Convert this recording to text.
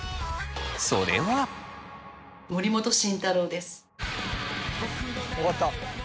それは。終わった。